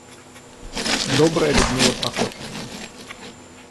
добрая, Людмила Прокофьевна.